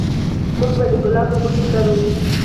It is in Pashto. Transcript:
موږ به د ګلابو بوټي کرو